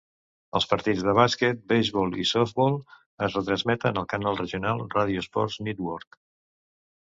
Els partits de bàsquet, beisbol i softbol es retransmeten al canal Regional Radio Sports Network.